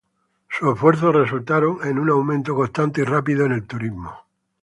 Sus esfuerzos resultaron en un aumento constante y rápido en el turismo.